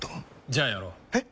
じゃあやろう。え？